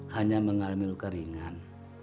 hanya mengalami luka ringan